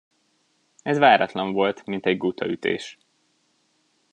Ez váratlan volt, mint egy gutaütés.